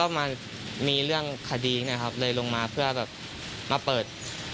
มันมีเรื่องคดีไงครับเลยลงมาเพื่อแบบมาเปิด